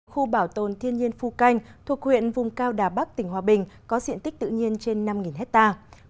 khu bảo tồn thiên nhiên phu canh thuộc huyện vùng cao đà bắc tỉnh hòa bình có diện tích tự nhiên trên năm hectare